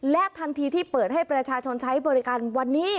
และทันทีที่เปิดให้ประชาชนใช้บริการวันนี้